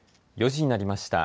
４時になりました。